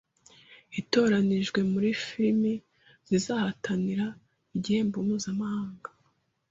itoranijwe muri filimi zizahatinira igihembo mpuzamahanda